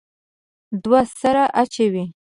دوه سره اچوي.